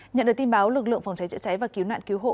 nhận được tin báo lực lượng phòng cháy chữa cháy và cứu nạn cứu hộ